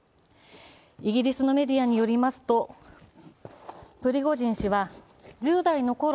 イギリスのメディアによりますとプリゴジン氏は１０代のころ